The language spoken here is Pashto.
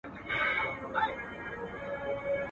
چي دا پاته ولي داسي له اغیار یو؟.